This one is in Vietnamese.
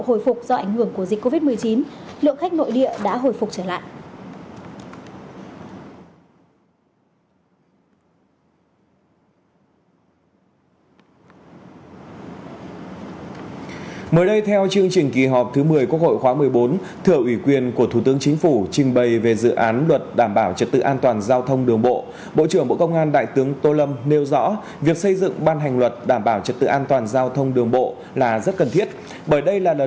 hồi phục do ảnh hưởng của dịch covid một mươi chín lượng khách nội địa đã hồi phục trở lại